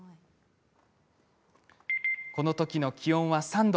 この時の気温は３度。